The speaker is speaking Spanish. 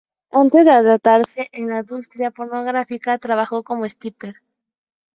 Antes de adentrarse en la industria pornográfica, trabajó como stripper.